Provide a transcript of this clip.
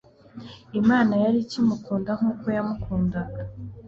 Imana yari ikimukunda nkuko yamukundaga